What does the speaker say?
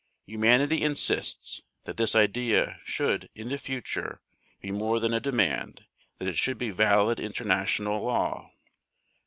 Humanity insists that this idea should in the future be more than a demand, that it should be valid international law.